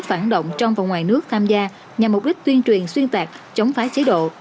phản động trong và ngoài nước tham gia nhằm mục đích tuyên truyền xuyên tạc chống phá chế độ